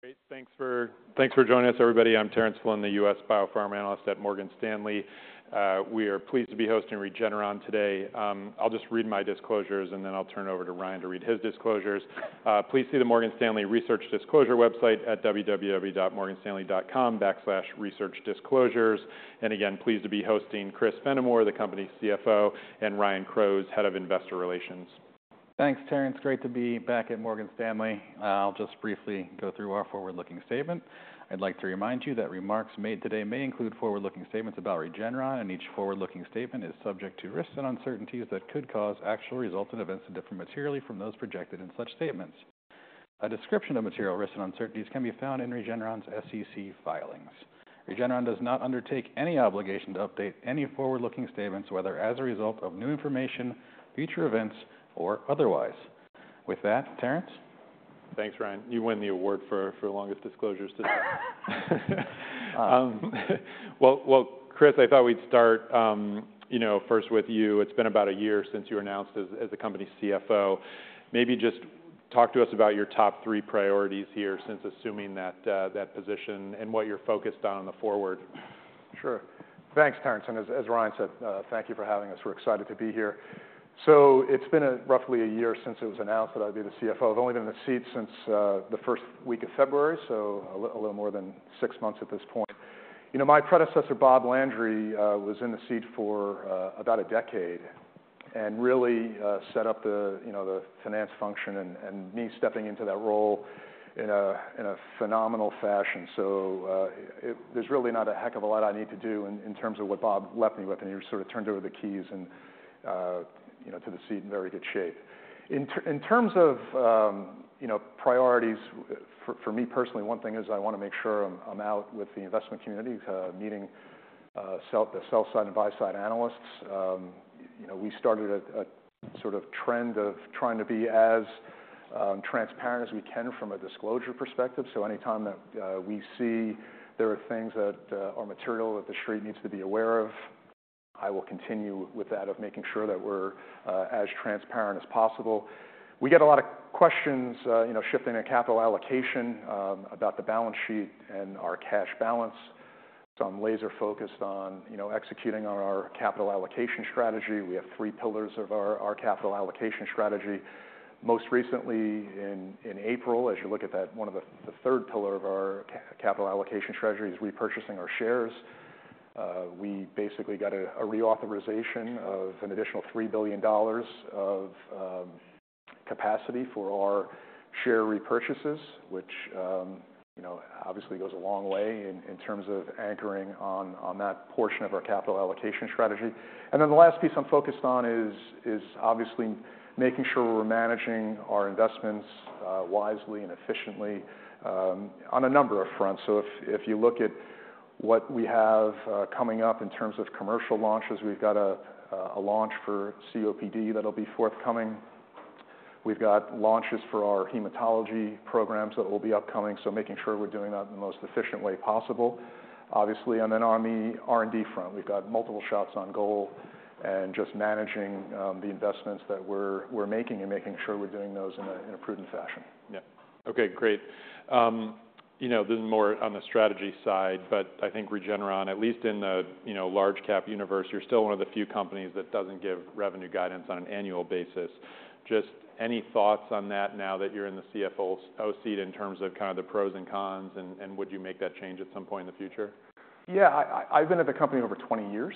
Great. Thanks for joining us, everybody. I'm Terence Flynn, the U.S. Biopharm analyst at Morgan Stanley. We are pleased to be hosting Regeneron today. I'll just read my disclosures, and then I'll turn it over to Ryan to read his disclosures. Please see the Morgan Stanley Research Disclosure website at www.morganstanley.com/researchdisclosures. And again, pleased to be hosting Chris Fenimore, the company's CFO, and Ryan Crowe, Head of Investor Relations. Thanks, Terence. Great to be back at Morgan Stanley. I'll just briefly go through our forward-looking statement. I'd like to remind you that remarks made today may include forward-looking statements about Regeneron, and each forward-looking statement is subject to risks and uncertainties that could cause actual resulting events to differ materially from those projected in such statements. A description of material risks and uncertainties can be found in Regeneron's SEC filings. Regeneron does not undertake any obligation to update any forward-looking statements, whether as a result of new information, future events, or otherwise. With that, Terence? Thanks, Ryan. You win the award for longest disclosures today. Wow! Chris, I thought we'd start, you know, first with you. It's been about a year since you were announced as the company's CFO. Maybe just talk to us about your top three priorities here since assuming that position, and what you're focused on going forward. Sure. Thanks, Terence, and as Ryan said, thank you for having us. We're excited to be here. So it's been roughly a year since it was announced that I'd be the CFO. I've only been in the seat since the first week of February, so a little more than six months at this point. You know, my predecessor, Bob Landry, was in the seat for about a decade, and really set up the, you know, the finance function and me stepping into that role in a phenomenal fashion. So, there's really not a heck of a lot I need to do in terms of what Bob left me with, and he sort of turned over the keys and, you know, to the seat in very good shape. In terms of, you know, priorities, for me personally, one thing is I wanna make sure I'm out with the investment community, meeting the sell side and buy side analysts. You know, we started a sort of trend of trying to be as transparent as we can from a disclosure perspective. So anytime that we see there are things that are material that the street needs to be aware of, I will continue with that, of making sure that we're as transparent as possible. We get a lot of questions, you know, shifting the capital allocation, about the balance sheet and our cash balance. So I'm laser focused on, you know, executing on our capital allocation strategy. We have three pillars of our capital allocation strategy. Most recently, in April, as you look at that, one of the third pillar of our capital allocation strategy is repurchasing our shares. We basically got a reauthorization of an additional $3 billion of capacity for our share repurchases, which, you know, obviously goes a long way in terms of anchoring on that portion of our capital allocation strategy. And then the last piece I'm focused on is obviously making sure we're managing our investments wisely and efficiently on a number of fronts. So if you look at what we have coming up in terms of commercial launches, we've got a launch for COPD that'll be forthcoming. We've got launches for our hematology programs that will be upcoming, so making sure we're doing that in the most efficient way possible. Obviously, on the R&D front, we've got multiple shots on goal, and just managing the investments that we're making, and making sure we're doing those in a prudent fashion. Yeah. Okay, great. You know, this is more on the strategy side, but I think Regeneron, at least in the, you know, large cap universe, you're still one of the few companies that doesn't give revenue guidance on an annual basis. Just any thoughts on that now that you're in the CFO's hot seat, in terms of kind of the pros and cons, and would you make that change at some point in the future? Yeah, I, I've been at the company over twenty years,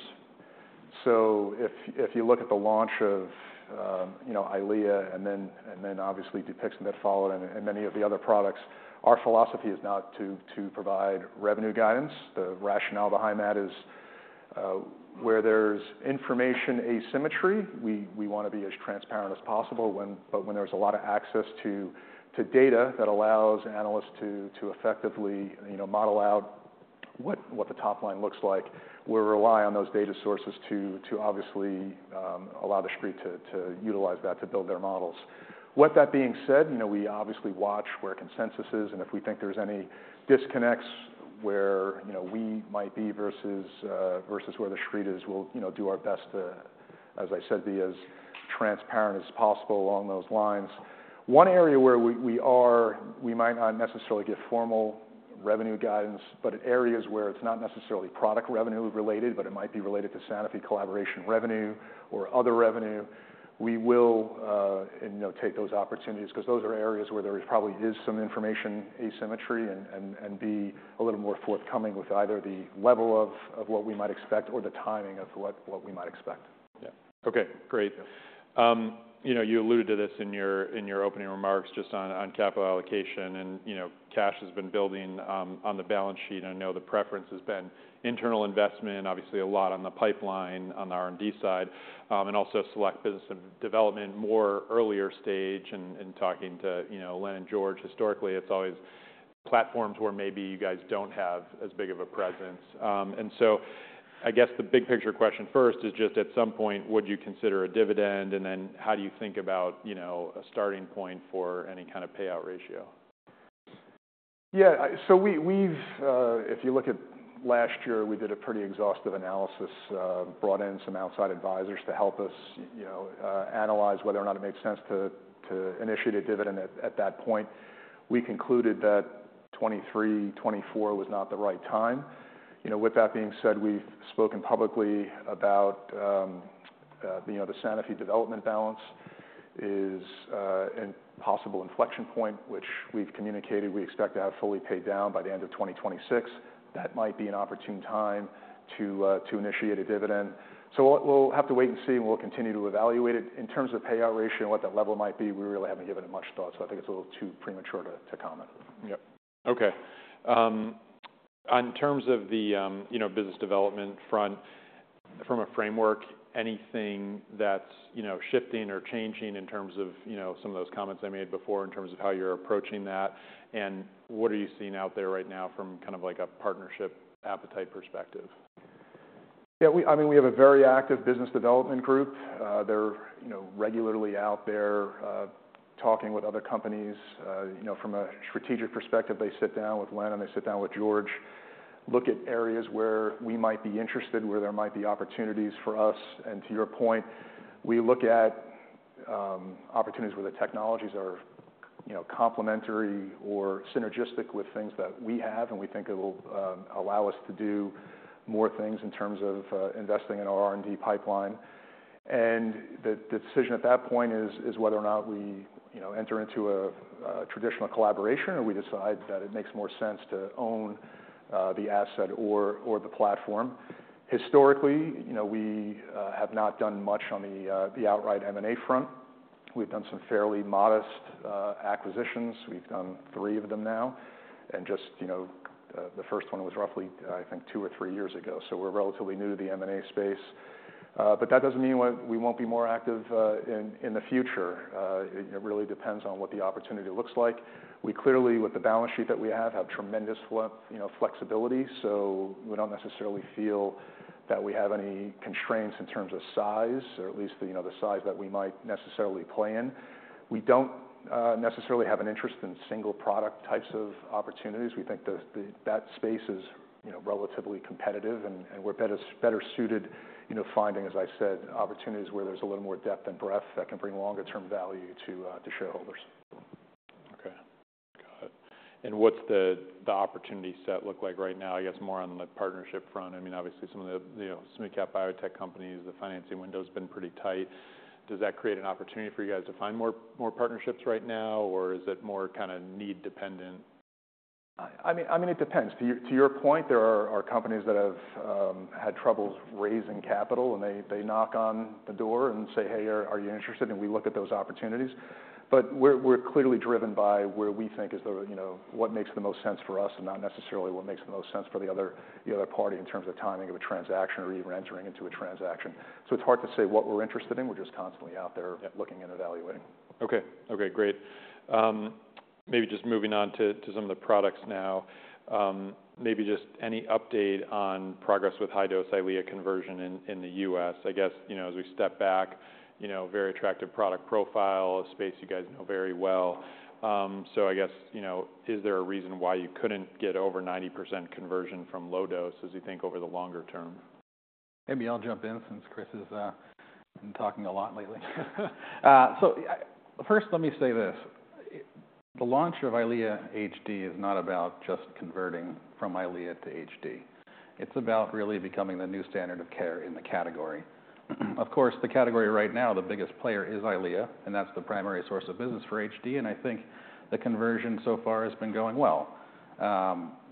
so if you look at the launch of, you know, EYLEA, and then obviously DUPIXENT that followed and many of the other products, our philosophy is not to provide revenue guidance. The rationale behind that is, where there's information asymmetry, we want to be as transparent as possible when but when there's a lot of access to data that allows analysts to effectively, you know, model out what the top line looks like, we rely on those data sources to obviously allow the street to utilize that to build their models. With that being said, you know, we obviously watch where consensus is, and if we think there's any disconnects where, you know, we might be versus versus where the street is, we'll, you know, do our best to, as I said, be as transparent as possible along those lines. One area where we might not necessarily give formal revenue guidance, but in areas where it's not necessarily product revenue related, but it might be related to Sanofi collaboration revenue or other revenue, we will, you know, take those opportunities, 'cause those are areas where there probably is some information asymmetry and be a little more forthcoming with either the level of what we might expect or the timing of what we might expect. Yeah. Okay, great. You know, you alluded to this in your opening remarks just on capital allocation, and, you know, cash has been building on the balance sheet. I know the preference has been internal investment, obviously a lot on the pipeline, on the R&D side, and also select business and development, more earlier stage. And talking to, you know, Len and George, historically, it's always platforms where maybe you guys don't have as big of a presence. And so I guess the big picture question first is just, at some point, would you consider a dividend? And then, how do you think about, you know, a starting point for any kind of payout ratio? Yeah, so we, if you look at last year, we did a pretty exhaustive analysis, brought in some outside advisors to help us, analyze whether or not it makes sense to initiate a dividend at that point. We concluded that 2023, 2024 was not the right time. You know, with that being said, we've spoken publicly about the Sanofi development balance is a possible inflection point, which we've communicated. We expect to have fully paid down by the end of 2026. That might be an opportune time to initiate a dividend. So we'll have to wait and see, and we'll continue to evaluate it. In terms of payout ratio and what that level might be, we really haven't given it much thought, so I think it's a little too premature to comment. Yep. Okay. In terms of the, you know, business development front, from a framework, anything that's, you know, shifting or changing in terms of, you know, some of those comments I made before in terms of how you're approaching that, and what are you seeing out there right now from kind of like a partnership appetite perspective? Yeah, I mean, we have a very active business development group. They're, you know, regularly out there, talking with other companies. You know, from a strategic perspective, they sit down with Len, and they sit down with George, look at areas where we might be interested, where there might be opportunities for us. To your point, we look at opportunities where the technologies are, you know, complementary or synergistic with things that we have, and we think it will allow us to do more things in terms of investing in our R&D pipeline. The decision at that point is whether or not we, you know, enter into a traditional collaboration, or we decide that it makes more sense to own the asset or the platform. Historically, you know, we have not done much on the outright M&A front. We've done some fairly modest acquisitions. We've done three of them now, and just, you know, the first one was roughly, I think, two or three years ago, so we're relatively new to the M&A space. But that doesn't mean we, we won't be more active in the future. It really depends on what the opportunity looks like. We clearly, with the balance sheet that we have, have tremendous flexibility, so we don't necessarily feel that we have any constraints in terms of size or at least, you know, the size that we might necessarily play in. We don't necessarily have an interest in single product types of opportunities. We think that space is, you know, relatively competitive, and we're better suited, you know, finding, as I said, opportunities where there's a little more depth and breadth that can bring longer term value to shareholders. Okay. Got it. And what's the opportunity set look like right now? I guess, more on the partnership front. I mean, obviously, some of the, you know, small cap biotech companies, the financing window's been pretty tight. Does that create an opportunity for you guys to find more partnerships right now, or is it more kind of need dependent? I mean, it depends. To your point, there are companies that have had troubles raising capital, and they knock on the door and say, "Hey, are you interested?" And we look at those opportunities. But we're clearly driven by where we think is the... You know, what makes the most sense for us and not necessarily what makes the most sense for the other party in terms of timing of a transaction or even entering into a transaction. So it's hard to say what we're interested in. We're just constantly out there looking and evaluating. Okay. Okay, great. Maybe just moving on to some of the products now. Maybe just any update on progress with high-dose EYLEA conversion in the U.S.? I guess, you know, as we step back, you know, very attractive product profile, a space you guys know very well. So I guess, you know, is there a reason why you couldn't get over 90% conversion from low dose as you think over the longer term? Maybe I'll jump in since Chris has been talking a lot lately, so first, let me say this: The launch of EYLEA HD is not about just converting from EYLEA to HD. It's about really becoming the new standard of care in the category. Of course, the category right now, the biggest player is EYLEA, and that's the primary source of business for HD, and I think the conversion so far has been going well.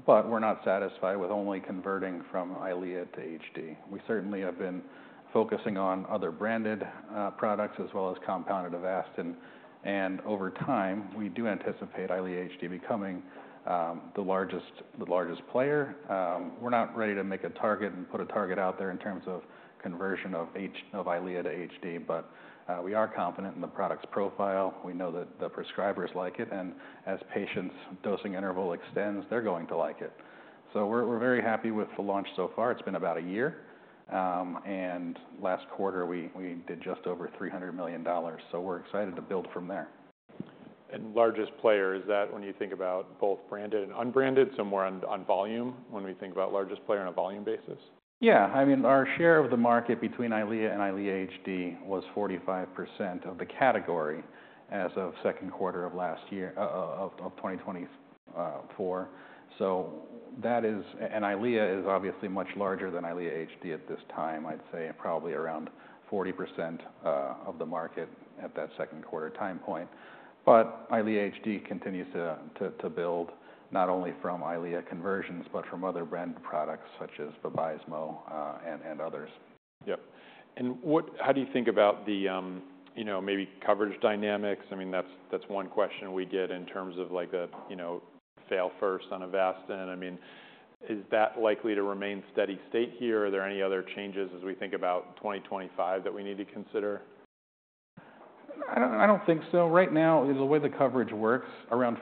But we're not satisfied with only converting from EYLEA to HD. We certainly have been focusing on other branded products as well as compounded Avastin, and over time, we do anticipate EYLEA HD becoming the largest player. We're not ready to make a target and put a target out there in terms of conversion of EYLEA to HD, but we are confident in the product's profile. We know that the prescribers like it, and as patients' dosing interval extends, they're going to like it. We're very happy with the launch so far. It's been about a year, and last quarter, we did just over $300 million, so we're excited to build from there. Largest player, is that when you think about both branded and unbranded, so more on volume, when we think about largest player on a volume basis? Yeah. I mean, our share of the market between EYLEA and EYLEA HD was 45% of the category as of Q2 of last year of 2024. So that is... And EYLEA is obviously much larger than EYLEA HD at this time. I'd say probably around 40% of the market at that Q2 time point. But EYLEA HD continues to build not only from EYLEA conversions, but from other brand products such as Avastin and others. Yep. And what, how do you think about the, you know, maybe coverage dynamics? I mean, that's, that's one question we get in terms of, like, the, you know, fail first on Avastin. I mean, is that likely to remain steady state here, or are there any other changes as we think about twenty twenty-five that we need to consider? I don't think so. Right now, the way the coverage works, around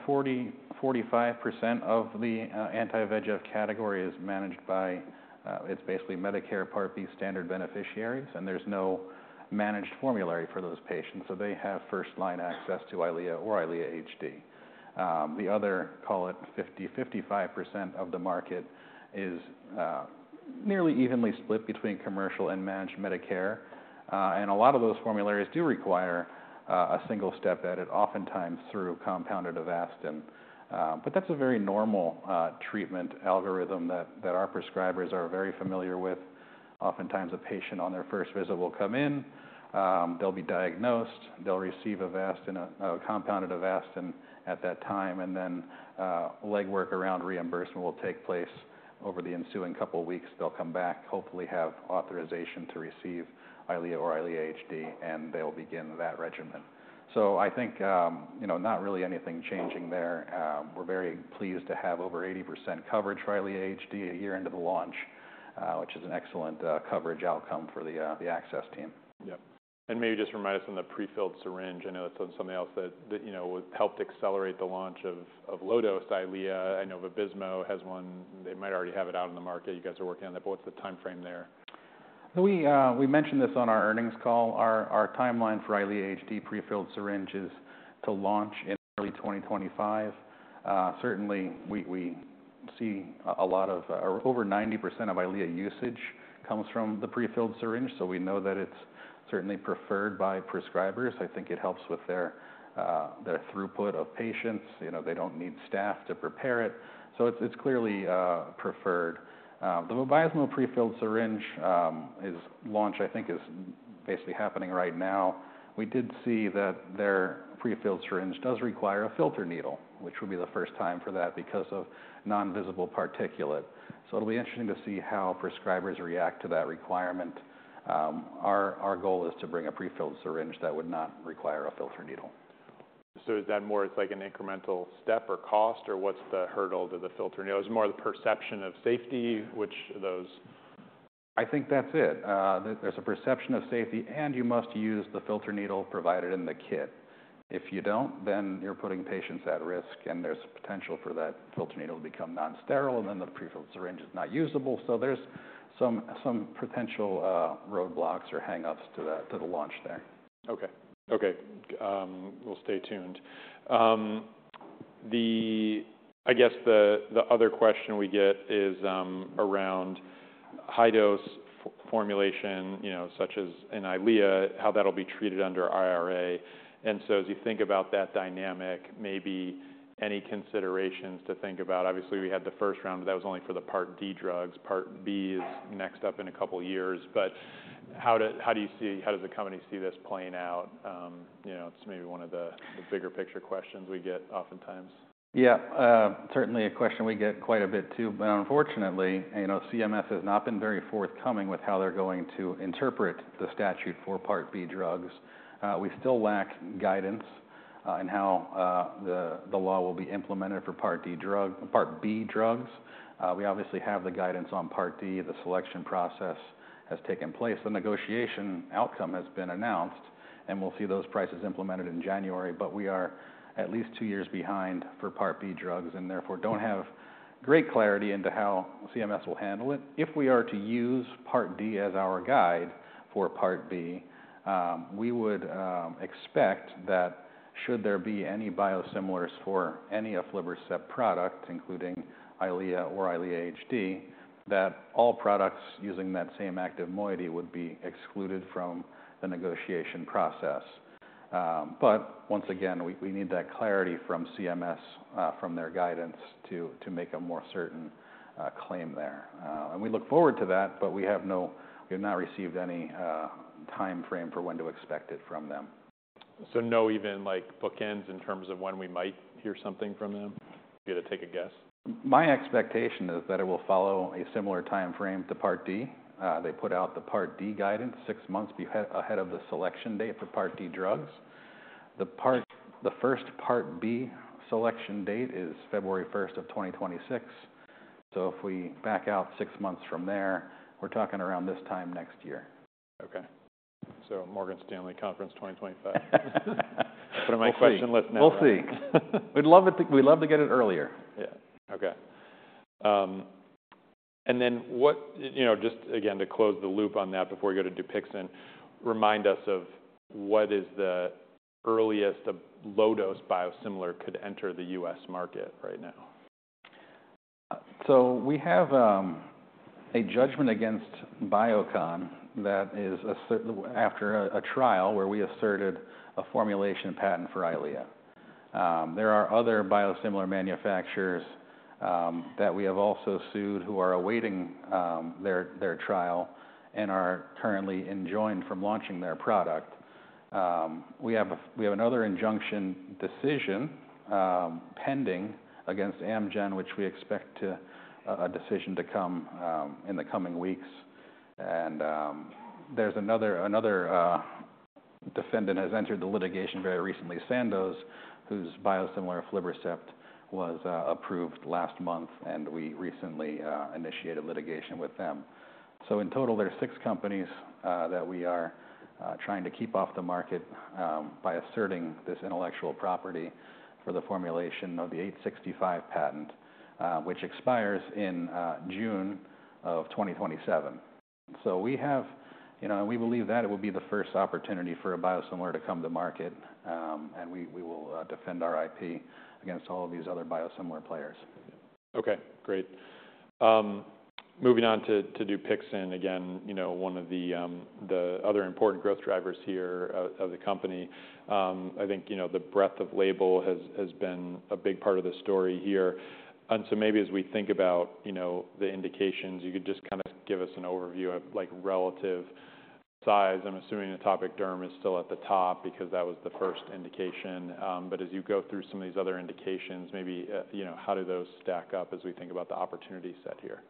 40%-45% of the anti-VEGF category is managed by, it's basically Medicare Part B standard beneficiaries, and there's no managed formulary for those patients, so they have first line access to EYLEA or EYLEA HD. The other, call it 50%-55% of the market is nearly evenly split between commercial and managed Medicare, and a lot of those formularies do require a single-step edit, oftentimes through compounded Avastin. But that's a very normal treatment algorithm that our prescribers are very familiar with. Oftentimes, a patient on their first visit will come in, they'll be diagnosed, they'll receive Avastin, a compounded Avastin at that time, and then legwork around reimbursement will take place over the ensuing couple of weeks. They'll come back, hopefully have authorization to receive EYLEA or EYLEA HD, and they'll begin that regimen. So I think, you know, not really anything changing there. We're very pleased to have over 80% coverage for EYLEA HD a year into the launch, which is an excellent coverage outcome for the access team. Yep. And maybe just remind us on the prefilled syringe. I know that's something else that, you know, helped accelerate the launch of low-dose EYLEA. I know Vabysmo has one. They might already have it out in the market. You guys are working on it, but what's the timeframe there? We, we mentioned this on our earnings call. Our, our timeline for EYLEA HD prefilled syringe is to launch in early twenty twenty-five. Certainly, we, we see a lot of... Over 90% of EYLEA usage comes from the prefilled syringe, so we know that it's certainly preferred by prescribers. I think it helps with their, their throughput of patients. You know, they don't need staff to prepare it, so it's, it's clearly, preferred. The Vabysmo prefilled syringe, is launched, I think is basically happening right now. We did see that their prefilled syringe does require a filter needle, which would be the first time for that because of non-visible particulate. So it'll be interesting to see how prescribers react to that requirement. Our, our goal is to bring a prefilled syringe that would not require a filter needle. So is that more, it's like an incremental step or cost, or what's the hurdle to the filter needle? It's more the perception of safety, which of those? I think that's it. There's a perception of safety, and you must use the filter needle provided in the kit. If you don't, then you're putting patients at risk, and there's potential for that filter needle to become non-sterile, and then the prefilled syringe is not usable. So there's some potential roadblocks or hang-ups to the launch there. Okay. Okay, we'll stay tuned. I guess the other question we get is around high dose formulation, you know, such as in EYLEA, how that'll be treated under IRA. And so as you think about that dynamic, maybe any considerations to think about? Obviously, we had the first round, but that was only for the Part D drugs. Part B is next up in a couple of years, but how does the company see this playing out? You know, it's maybe one of the bigger picture questions we get oftentimes. Yeah. Certainly a question we get quite a bit, too. But unfortunately, you know, CMS has not been very forthcoming with how they're going to interpret the statute for Part B drugs. We still lack guidance in how the law will be implemented for Part D drugs, Part B drugs. We obviously have the guidance on Part D. The selection process has taken place. The negotiation outcome has been announced, and we'll see those prices implemented in January. But we are at least two years behind for Part B drugs, and therefore don't have great clarity into how CMS will handle it. If we are to use Part D as our guide for Part B, we would expect that should there be any biosimilars for any aflibercept product, including EYLEA or EYLEA HD, that all products using that same active moiety would be excluded from the negotiation process. But once again, we need that clarity from CMS, from their guidance, to make a more certain claim there. And we look forward to that, but we have no- we've not received any timeframe for when to expect it from them. So, no, even, like, bookends in terms of when we might hear something from them? You had to take a guess. My expectation is that it will follow a similar timeframe to Part D. They put out the Part D guidance six months ahead of the selection date for Part D drugs. The first Part B selection date is February first of 2026. So if we back out six months from there, we're talking around this time next year. Okay. So Morgan Stanley Conference 2025. Put on my question list now. We'll see. We'll see. We'd love to get it earlier. Yeah. Okay. And then what... You know, just again, to close the loop on that before we go to Dupixent, remind us of what is the earliest a low-dose biosimilar could enter the US market right now? So we have a judgment against Biocon that is asserted after a trial where we asserted a formulation patent for EYLEA. There are other biosimilar manufacturers that we have also sued, who are awaiting their trial and are currently enjoined from launching their product. We have another injunction decision pending against Amgen, which we expect a decision to come in the coming weeks. And there's another defendant has entered the litigation very recently, Sandoz, whose biosimilar aflibercept was approved last month, and we recently initiated litigation with them. So in total, there are six companies that we are trying to keep off the market by asserting this intellectual property for the formulation of the '865 patent, which expires in June of 2027. So we have... You know, we believe that it will be the first opportunity for a biosimilar to come to market, and we will defend our IP against all of these other biosimilar players. Okay, great. Moving on to, to Dupixent, again, you know, one of the, the other important growth drivers here of, of the company. I think, you know, the breadth of label has, has been a big part of the story here. And so maybe as we think about, you know, the indications, you could just kinda give us an overview of, like, relative size, I'm assuming atopic derm is still at the top because that was the first indication, but as you go through some of these other indications, maybe, you know, how do those stack up as we think about the opportunity set here?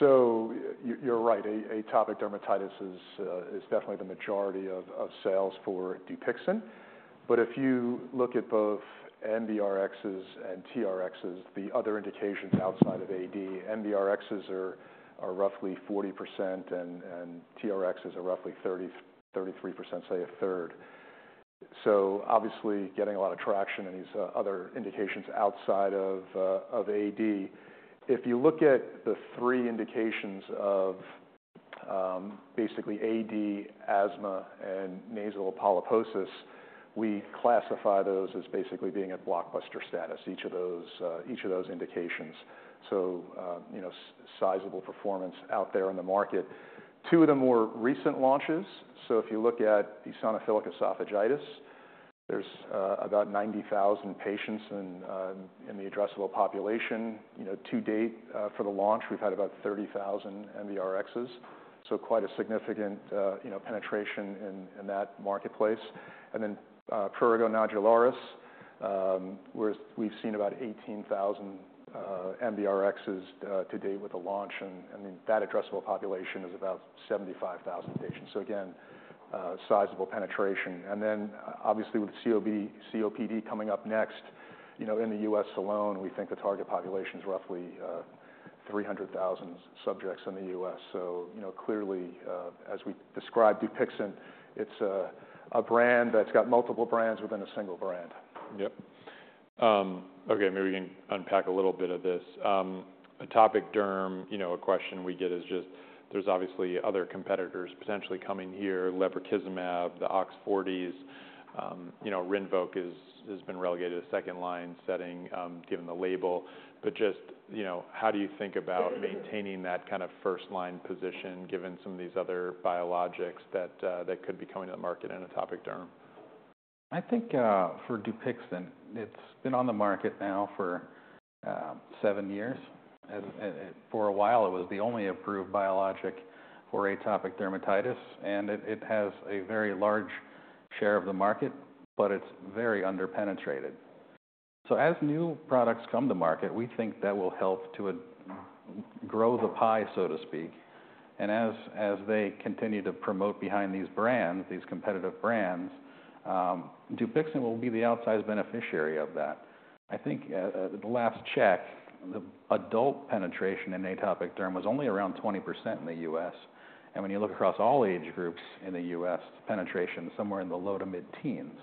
You're right, atopic dermatitis is definitely the majority of sales for Dupixent. But if you look at both NBRXs and TRXs, the other indications outside of AD, MBRXs are roughly 40%, and TRXs are roughly 30, 33%, say a third. So obviously, getting a lot of traction in these other indications outside of AD. If you look at the three indications of basically AD, asthma, and nasal polyposis, we classify those as basically being at blockbuster status, each of those indications. So you know, sizable performance out there in the market. Two of the more recent launches, so if you look at eosinophilic esophagitis, there's about 90,000 patients in the addressable population. You know, to date, for the launch, we've had about 30,000 MBRXs, so quite a significant, you know, penetration in that marketplace. And then, prurigo nodularis, we've seen about 18,000 MBRXs to date with the launch, and, I mean, that addressable population is about 75,000 patients. So again, sizable penetration. And then obviously, with COPD coming up next, you know, in the U.S. alone, we think the target population is roughly 300,000 subjects in the U.S. So, you know, clearly, as we describe Dupixent, it's a brand that's got multiple brands within a single brand. Yep. Okay, maybe we can unpack a little bit of this. Atopic derm, you know, a question we get is just there's obviously other competitors potentially coming here, lebrikizumab, the OX40s. You know, Rinvoq is, has been relegated to second line setting, given the label. But just, you know, how do you think about maintaining that kind of first line position, given some of these other biologics that could be coming to the market in atopic derm? I think for Dupixent, it's been on the market now for seven years. And for a while, it was the only approved biologic for atopic dermatitis, and it has a very large share of the market, but it's very underpenetrated. So as new products come to market, we think that will help to grow the pie, so to speak, and as they continue to promote behind these brands, these competitive brands, Dupixent will be the outsized beneficiary of that. I think at the last check, the adult penetration in atopic derm was only around 20% in the US. And when you look across all age groups in the US, penetration is somewhere in the low- to mid-teens%.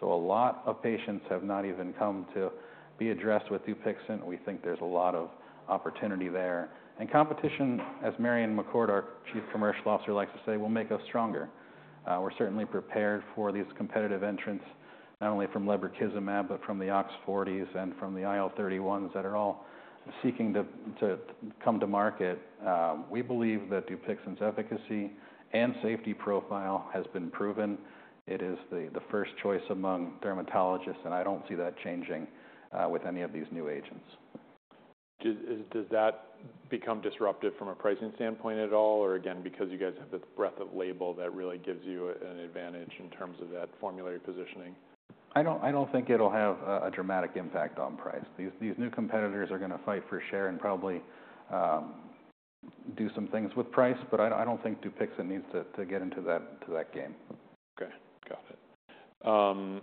So a lot of patients have not even come to be addressed with Dupixent, and we think there's a lot of opportunity there. And competition, as Marion McCourt, our Chief Commercial Officer, likes to say, "will make us stronger." We're certainly prepared for these competitive entrants, not only from lebrikizumab, but from the OX40s and from the IL-31s that are all seeking to come to market. We believe that Dupixent's efficacy and safety profile has been proven. It is the first choice among dermatologists, and I don't see that changing with any of these new agents. Does that become disruptive from a pricing standpoint at all, or again, because you guys have the breadth of label, that really gives you an advantage in terms of that formulary positioning. I don't think it'll have a dramatic impact on price. These new competitors are gonna fight for share and probably do some things with price, but I don't think Dupixent needs to get into that game. Okay, got it.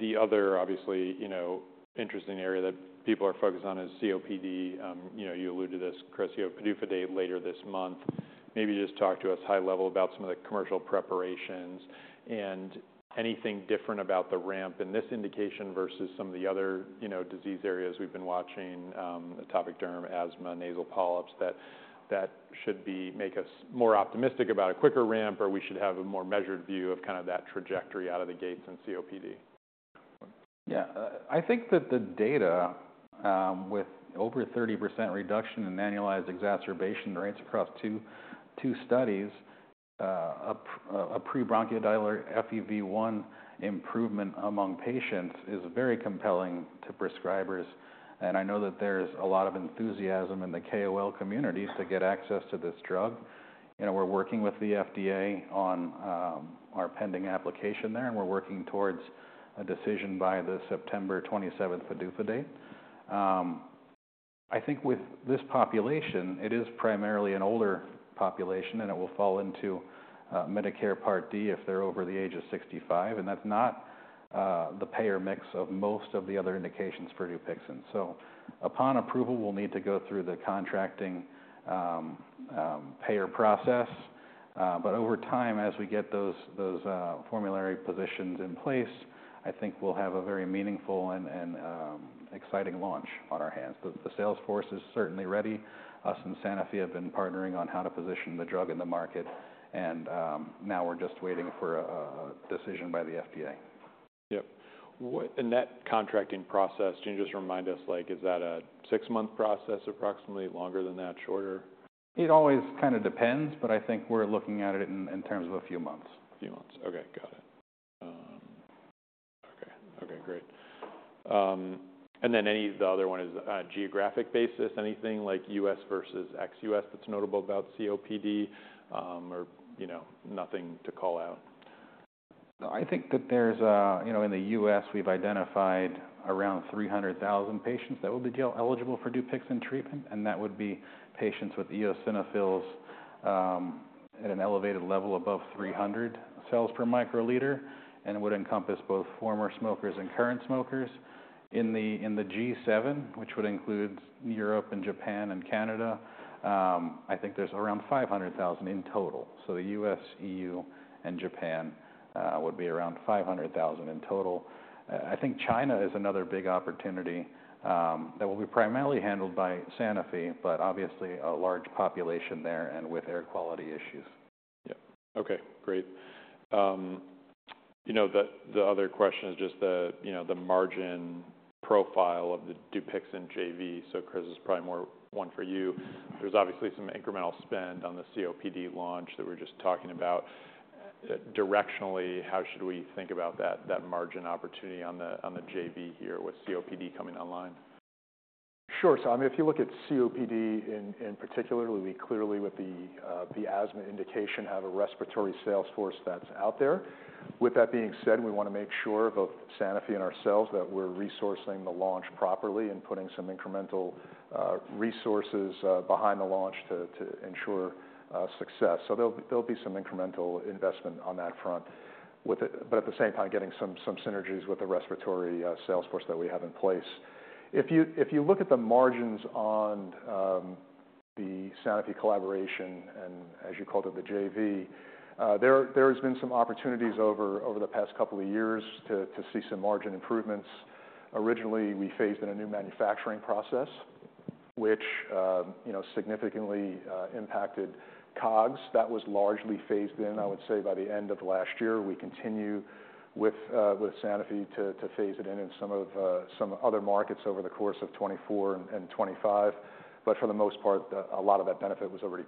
The other obviously, you know, interesting area that people are focused on is COPD. You know, you alluded to this, Chris, you have a PDUFA date later this month. Maybe just talk to us high level about some of the commercial preparations and anything different about the ramp in this indication versus some of the other, you know, disease areas we've been watching, atopic derm, asthma, nasal polyps, that should be... make us more optimistic about a quicker ramp, or we should have a more measured view of kind of that trajectory out of the gates in COPD. Yeah. I think that the data with over 30% reduction in annualized exacerbation rates across two studies, a pre-bronchodilator FEV1 improvement among patients is very compelling to prescribers, and I know that there's a lot of enthusiasm in the KOL communities to get access to this drug. You know, we're working with the FDA on our pending application there, and we're working towards a decision by the September twenty-seventh PDUFA date. I think with this population, it is primarily an older population, and it will fall into Medicare Part D if they're over the age of 65, and that's not the payer mix of most of the other indications for Dupixent. So upon approval, we'll need to go through the contracting, payer process, but over time, as we get those formulary positions in place, I think we'll have a very meaningful and exciting launch on our hands. The sales force is certainly ready. Us and Sanofi have been partnering on how to position the drug in the market, and now we're just waiting for a decision by the FDA. Yep. In that contracting process, can you just remind us, like, is that a six-month process, approximately, longer than that, shorter? It always kind of depends, but I think we're looking at it in terms of a few months. Few months. Okay, got it. Okay, great, and then the other one is geographic basis. Anything like U.S. versus ex-U.S. that's notable about COPD, or you know, nothing to call out? No, I think that there's. You know, in the US, we've identified around three hundred thousand patients that would be eligible for Dupixent treatment, and that would be patients with eosinophils at an elevated level above three hundred cells per microliter, and it would encompass both former smokers and current smokers. In the G7, which would include Europe and Japan and Canada, I think there's around five hundred thousand in total. So the US, EU, and Japan would be around five hundred thousand in total. I think China is another big opportunity that will be primarily handled by Sanofi, but obviously a large population there and with air quality issues. Yeah. Okay, great. You know, the other question is just the, you know, the margin profile of the Dupixent JV, so Chris, this is probably more one for you. There's obviously some incremental spend on the COPD launch that we're just talking about. Directionally, how should we think about that margin opportunity on the, on the JV here with COPD coming online? Sure. So, I mean, if you look at COPD in particular, we clearly, with the asthma indication, have a respiratory sales force that's out there. With that being said, we wanna make sure, both Sanofi and ourselves, that we're resourcing the launch properly and putting some incremental resources behind the launch to ensure success. So there'll be some incremental investment on that front, with it, but at the same time, getting some synergies with the respiratory sales force that we have in place. If you look at the margins on the Sanofi collaboration and as you called it, the JV, there has been some opportunities over the past couple of years to see some margin improvements. Originally, we phased in a new manufacturing process, which, you know, significantly impacted COGS. That was largely phased in, I would say, by the end of last year. We continue with Sanofi to phase it in in some other markets over the course of 2024 and 2025. But for the most part, a lot of that benefit was already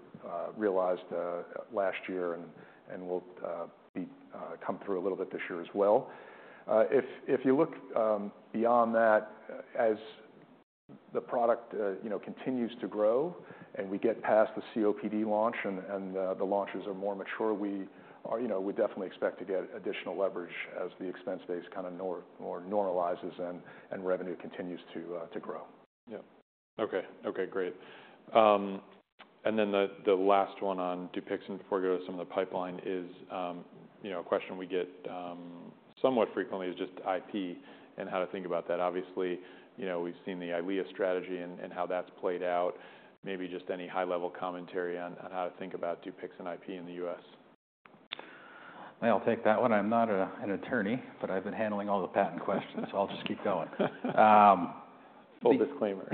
realized last year and will come through a little bit this year as well. If you look beyond that, as the product you know continues to grow and we get past the COPD launch and the launches are more mature, we are. You know, we definitely expect to get additional leverage as the expense base kinda more normalizes and revenue continues to grow. Yeah. Okay. Okay, great. And then the last one on Dupixent before we go to some of the pipeline is, you know, a question we get somewhat frequently, is just IP and how to think about that. Obviously, you know, we've seen the EYLEA strategy and how that's played out. Maybe just any high-level commentary on how to think about Dupixent IP in the U.S. I'll take that one. I'm not an attorney, but I've been handling all the patent questions, so I'll just keep going. Full disclaimer.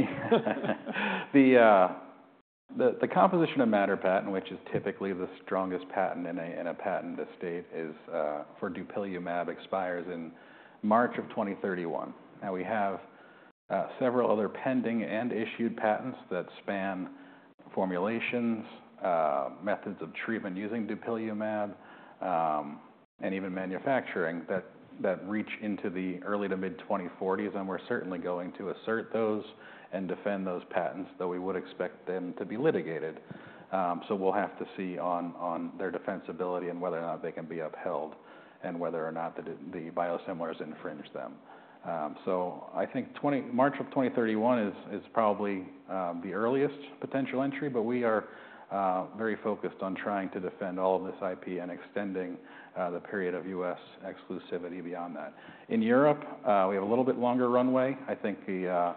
The composition of matter patent, which is typically the strongest patent in a patent estate, is for dupilumab, expires in March of 2031. Now, we have several other pending and issued patents that span formulations, methods of treatment using dupilumab, and even manufacturing, that reach into the early to mid-2040s, and we're certainly going to assert those and defend those patents, though we would expect them to be litigated. So we'll have to see on their defensibility and whether or not they can be upheld, and whether or not the biosimilars infringe them. So I think March of 2031 is probably the earliest potential entry, but we are very focused on trying to defend all of this IP and extending the period of U.S. exclusivity beyond that. In Europe, we have a little bit longer runway. I think the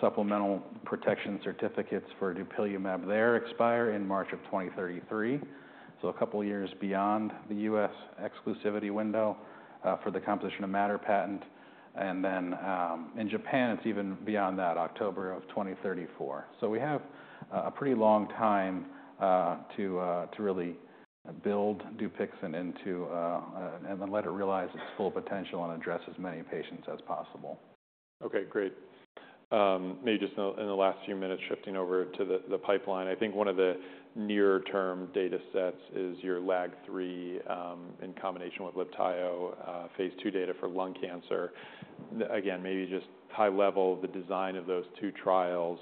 supplemental protection certificates for dupilumab there expire in March of twenty thirty-three, so a couple of years beyond the U.S. exclusivity window for the composition of matter patent. And then, in Japan, it's even beyond that, October of twenty thirty-four. So we have a pretty long time to really build Dupixent into and let it realize its full potential and address as many patients as possible. Okay, great. Maybe just in the last few minutes, shifting over to the pipeline. I think one of the near-term datasets is your LAG-3 in combination with Libtayo, phase 2 data for lung cancer. Again, maybe just high level, the design of those two trials,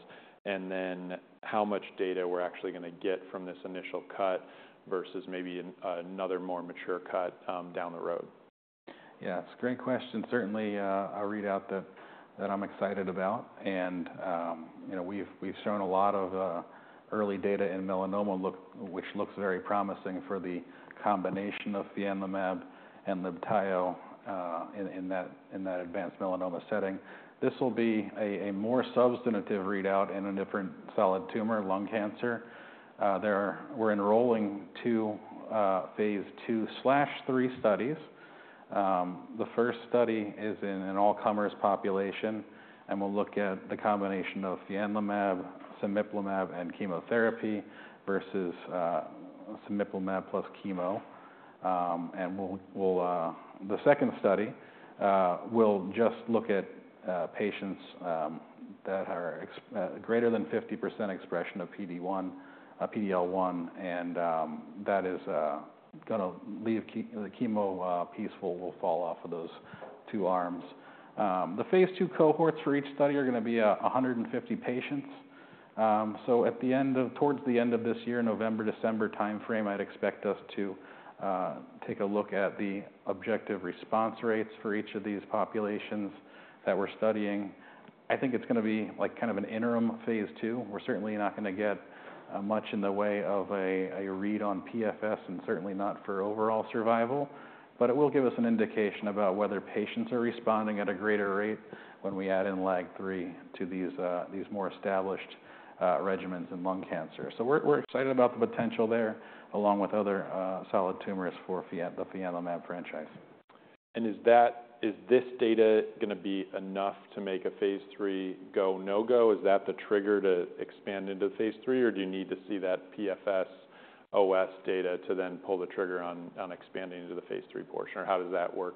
and then how much data we're actually gonna get from this initial cut versus maybe another more mature cut down the road. Yeah, it's a great question. Certainly, a readout that I'm excited about. And, you know, we've shown a lot of early data in melanoma which looks very promising for the combination of fianlimab and Libtayo in that advanced melanoma setting. This will be a more substantive readout in a different solid tumor, lung cancer. We're enrolling two phase 2/3 studies. The first study is in an all-comers population, and we'll look at the combination of fianlimab, cemiplimab, and chemotherapy versus cemiplimab plus chemo. And we'll... The second study will just look at patients that are greater than 50% expression of PD-1, PD-L1, and that is gonna leave the chemo piece will fall off of those two arms. The phase 2 cohorts for each study are gonna be 150 patients. So at the end of towards the end of this year, November, December timeframe, I'd expect us to take a look at the objective response rates for each of these populations that we're studying. I think it's gonna be like kind of an interim phase II. We're certainly not gonna get much in the way of a read on PFS, and certainly not for overall survival, but it will give us an indication about whether patients are responding at a greater rate when we add in LAG-3 to these more established regimens in lung cancer. So we're excited about the potential there, along with other solid tumors for the fianlimab franchise. And is that, is this data gonna be enough to make a phase III go, no-go? Is that the trigger to expand into phase III, or do you need to see that PFS OS data to then pull the trigger on expanding into the phase III portion? Or how does that work?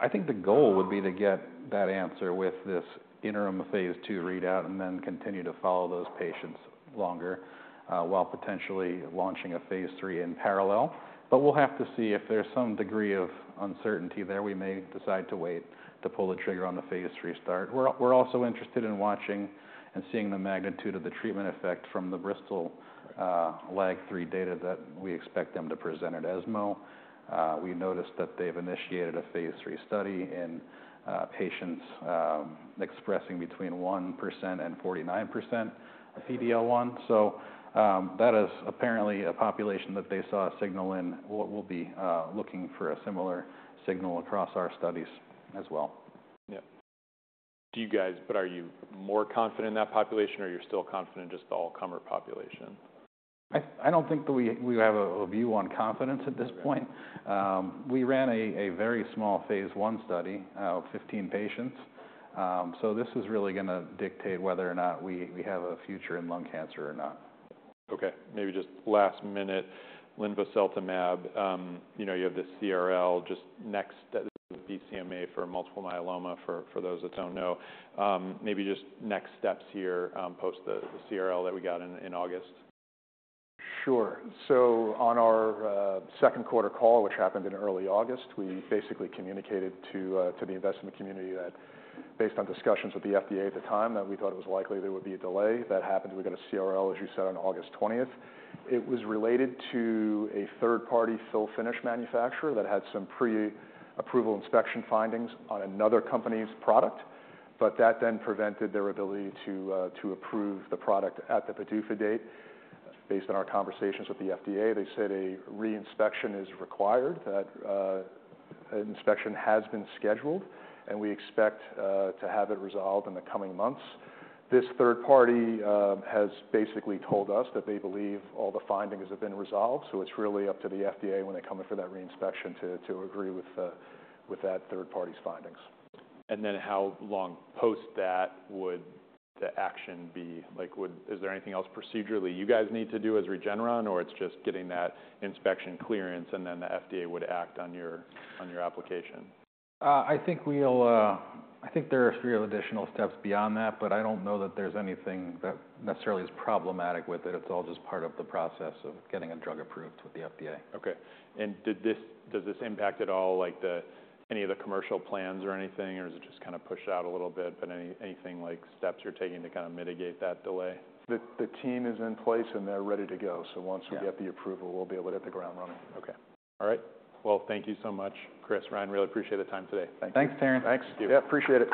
I think the goal would be to get that answer with this interim phase II readout, and then continue to follow those patients longer, while potentially launching a phase III in parallel. But we'll have to see. If there's some degree of uncertainty there, we may decide to wait to pull the trigger on the phase III start. We're also interested in watching and seeing the magnitude of the treatment effect from the Bristol LAG-3 data that we expect them to present at ESMO. We noticed that they've initiated a phase III study in patients expressing between 1% and 49% of PD-L1. So, that is apparently a population that they saw a signal in. We'll be looking for a similar signal across our studies as well. Yeah. Do you guys... But are you more confident in that population, or you're still confident in just the all-comer population? I don't think that we have a view on confidence at this point. Okay. We ran a very small phase I study of 15 patients, so this is really gonna dictate whether or not we have a future in lung cancer or not. Okay, maybe just last minute, linvoseltumab, you know, you have the CRL just next, BCMA for multiple myeloma, for those that don't know. Maybe just next steps here, post the CRL that we got in August. Sure. So on our Q2 call, which happened in early August, we basically communicated to the investment community that based on discussions with the FDA at the time, that we thought it was likely there would be a delay. That happened. We got a CRL, as you said, on August twentieth. It was related to a third-party fill finish manufacturer that had some pre-approval inspection findings on another company's product, but that then prevented their ability to approve the product at the PDUFA date. Based on our conversations with the FDA, they said a re-inspection is required. That inspection has been scheduled, and we expect to have it resolved in the coming months. This third party has basically told us that they believe all the findings have been resolved, so it's really up to the FDA when they come in for that re-inspection, to agree with that third party's findings. And then how long post that would the action be? Like, is there anything else procedurally you guys need to do as Regeneron, or it's just getting that inspection clearance, and then the FDA would act on your application? I think we'll, I think there are a few additional steps beyond that, but I don't know that there's anything that necessarily is problematic with it. It's all just part of the process of getting a drug approved with the FDA. Okay, and does this impact at all, like, any of the commercial plans or anything, or is it just kind of pushed out a little bit? But anything like steps you're taking to kind of mitigate that delay? The team is in place, and they're ready to go. Yeah. So once we get the approval, we'll be able to hit the ground running. Okay. All right. Well, thank you so much, Chris, Ryan. Really appreciate the time today. Thank you. Thanks, Terence Thanks. Thank you. Yeah, appreciate it.